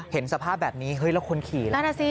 เห็นสภาพแบบนี้แล้วคนขี่ละ